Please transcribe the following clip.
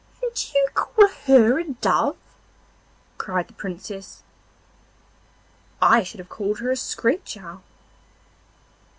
'And you call her a dove?' cried the Princess. 'I should have called her a screech owl.